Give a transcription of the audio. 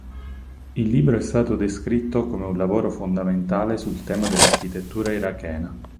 Il libro è stato descritto come un "lavoro fondamentale" sul tema dell'architettura irachena.